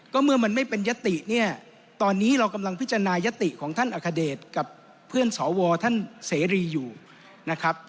ก็เมื่อมันไม่เป็นยติเนี่ยตอนนี้เรากำลังพิจารณายติของท่านอัคเดชกับเพื่อนสวท่านเสรีอยู่นะครับ